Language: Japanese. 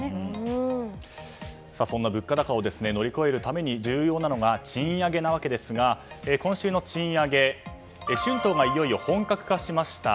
そんな物価高を乗り越えるために重要なのが賃上げなわけですが今週の賃上げ春闘がいよいよ本格化しました。